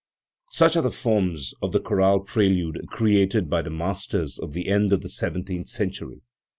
Such are the forms of the chorale prelude created by the masters of the end of the seventeenth century.